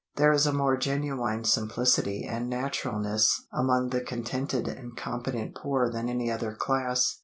There is a more genuine simplicity and naturalness among the contented and competent poor than any other class.